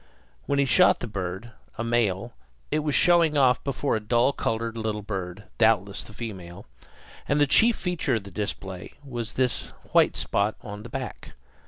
When he shot the bird, a male, it was showing off before a dull colored little bird, doubtless the female; and the chief feature of the display was this white spot on the back.